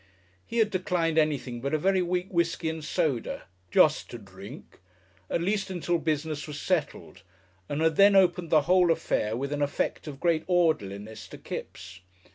He had declined anything but a very weak whiskey and soda, "just to drink," at least until business was settled, and had then opened the whole affair with an effect of great orderliness to Kipps.